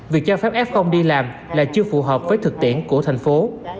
việc cho phép f đi làm là chưa phù hợp với thực tiễn của thành phố